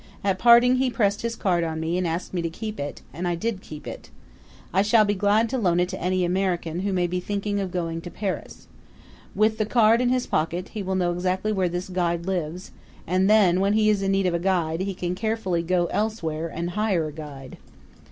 At parting he pressed his card on me and asked me to keep it; and I did keep it. I shall be glad to loan it to any American who may be thinking of going to Paris. With the card in his pocket, he will know exactly where this guide lives; and then, when he is in need of a guide he can carefully go elsewhere and hire a guide.